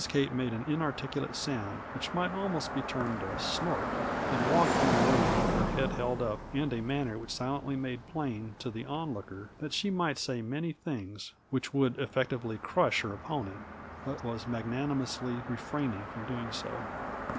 Kate made an inarticulate sound which might almost be termed a snort, and walked from the room with her head well up and a manner which silently made plain to the onlooker that she might say many things which would effectually crush her opponent, but was magnanimously refraining from doing so.